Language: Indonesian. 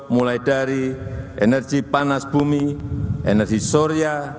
mulai dari energi panas bumi energi surya